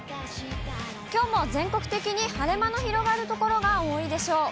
きょうも全国的に晴れ間の広がる所が多いでしょう。